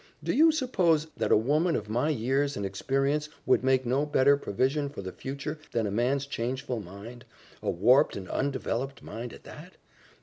Do you suppose that a woman of my years and experience would make no better provision for the future than a man's changeful mind a warped and undeveloped mind, at that?